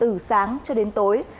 từ sáng cho đến tối